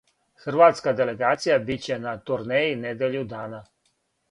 Хрватска делегација биће на турнеји недељу дана.